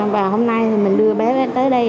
và hôm nay mình đưa bé tới đây